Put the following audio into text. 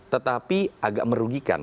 tetapi agak merugikan